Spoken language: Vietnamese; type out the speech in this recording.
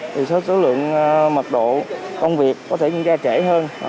thì số lượng mật độ công việc có thể diễn ra trễ hơn